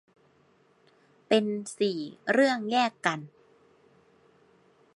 เป็นสี่เรื่องแยกกัน